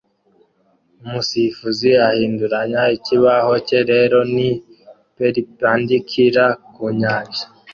Umusifuzi ahinduranya ikibaho cye rero ni perpendicular ku nyanja